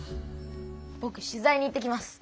ぼく取材に行ってきます。